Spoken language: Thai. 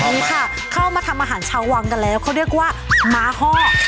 วันนี้ค่ะเข้ามาทำอาหารชาววังกันแล้วเขาเรียกว่าม้าห้อ